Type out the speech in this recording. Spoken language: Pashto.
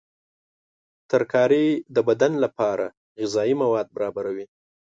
ترکاري د بدن لپاره غذایي مواد برابروي.